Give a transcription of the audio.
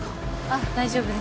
あっ大丈夫です。